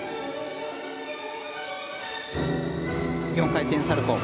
４回転サルコウ。